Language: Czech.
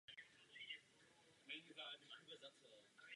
Dokážeme-li snížit poptávku, pak také klesne nabídka služeb.